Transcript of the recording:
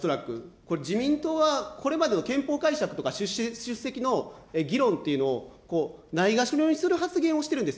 これ自民党は、これまでの憲法解釈とか出席の議論っていうのを、ないがしろにする発言をしてるんです。